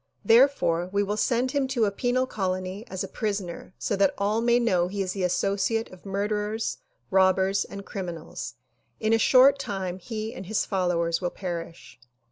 Therefore we will send him to a penal colony as a prisoner so that all may know he is the associate of murderers, robbers and crimi nals; in a short time he and his followers will perish."